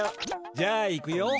じゃあいくよ。